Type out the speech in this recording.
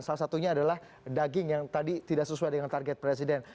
salah satunya adalah daging yang tadi tidak sesuai dengan target presiden